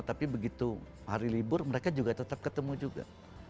tapi begitu hari libur mereka juga tetap ketemu juga